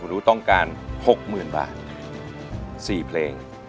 คุณผู้ต้องการหกหมื่นบาทสี่เพลง